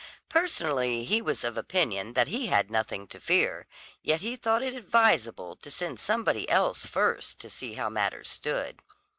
Personally, he was of opinion that he had nothing to fear, yet he thought it advisable to send somebody else first to see how matters stood.